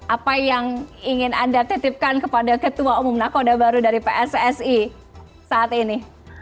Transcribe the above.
apa yang ingin anda titipkan kepada ketua umum nakoda baru dari pssi saat ini